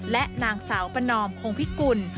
และนางสาวประนอมคงพิกุล